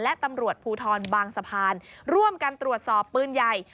และตำรวจภูทรบางสะพานร่วมกันตรวจสอบปืนใหญ่